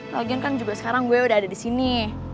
lagian kan juga sekarang gue udah ada di sini